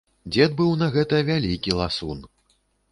Дзед быў на гэта вялікі ласун.